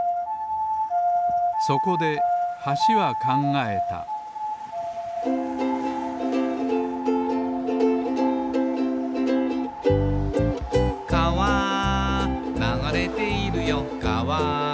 そこで橋は考えた「かわ流れているよかわ」